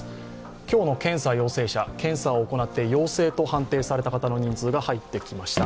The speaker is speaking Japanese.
今日の検査陽性者、検査を行って陽性と判定された方の人数が出てきました。